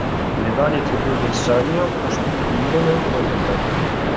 Le varie tribù del Sannio costituirono una lega.